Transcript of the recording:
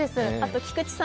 菊池さん